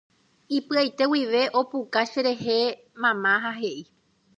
Ipy'aite guive opuka cherehe mama ha he'i.